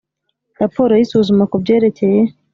Raporo y isuzuma ku byerekeye